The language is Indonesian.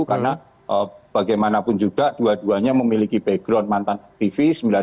karena bagaimanapun juga dua duanya memiliki background mantan tv sembilan puluh delapan